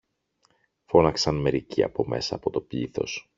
φώναξαν μερικοί από μέσα από το πλήθος.